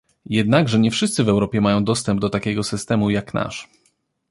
Jednakże nie wszyscy w Europie mają dostęp do takiego systemu, jak nasz